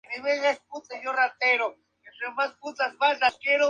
Los miembros del Klan y los nazis no eran habitantes de Greensboro.